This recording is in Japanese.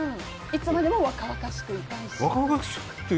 いつまでも若々しくいたいしと。